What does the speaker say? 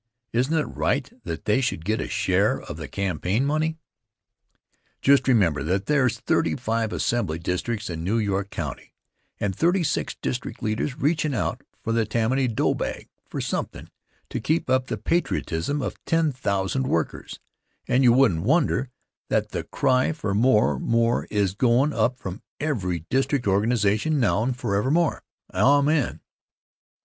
Isn't it right that they should get a share of the campaign money? Just remember that there's thirty five Assembly districts in New York County, and thirty six district leaders reachin' out for the Tammany dough bag for somethin' to keep up the patriotism of ten thousand workers, and you wouldn't wonder that the cry for more, more, is goin' up from every district organization now and forevermore. Amen.